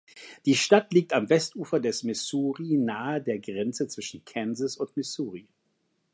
Die Stadt liegt am Westufer des Missouri nahe der Grenze zwischen Kansas und Missouri.